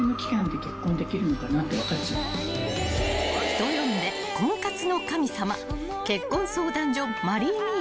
［人呼んで婚活の神様］